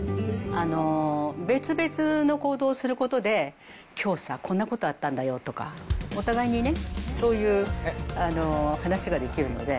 別々の行動をすることで、きょうさ、こんなことあったんだよとか、お互いにね、そういう話ができるので。